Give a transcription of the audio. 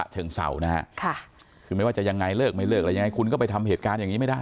ใช่ฮะ